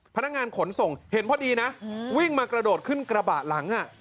พนักงานขนส่งเห็นพอดีนะวิ่งมากระโดดขึ้นกระบะหลัง